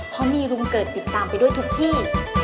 เพราะมีลุงเกิดติดตามไปด้วยทุกที่